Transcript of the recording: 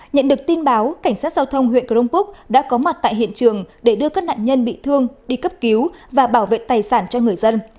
nhận được tin báo cảnh sát giao thông huyện crong púc đã có mặt tại hiện trường để đưa các nạn nhân bị thương đi cấp cứu và bảo vệ tài sản cho người dân